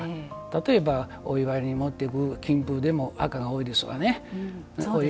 例えばお祝いに持っていくきんぷうでも赤が多いですわね。